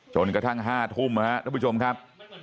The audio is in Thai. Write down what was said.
จนกระทั่ง๕ทุ่มทุกผู้ชมครับ